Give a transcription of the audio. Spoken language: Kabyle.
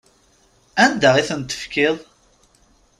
Anda i tent-tefkiḍ?